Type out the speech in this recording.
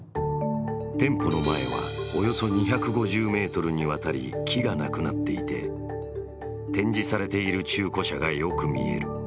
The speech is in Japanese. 店舗の前はおよそ２５０ｍにわたり、木がなくなっていて、展示されている中古車がよく見える。